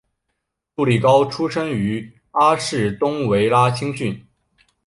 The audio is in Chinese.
杜利高出身于阿士东维拉青训。